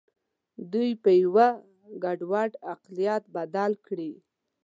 دوی په یوه ګډوډ اقلیت بدل کړي.